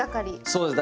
そうです